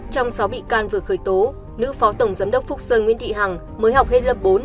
trong sáu bị can vừa khởi tố nữ phó tổng giám đốc phúc sơn nguyễn thị hằng mới học hết lớp bốn